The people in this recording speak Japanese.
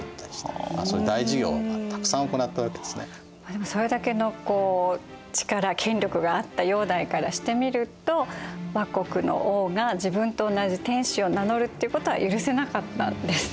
でもそれだけの力権力があった煬帝からしてみると倭国の王が自分と同じ天子を名乗るってことは許せなかったんですね。